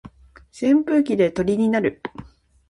扇風機で鳥になる